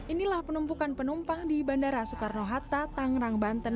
inilah penumpukan penumpang di bandara soekarno hatta tangerang banten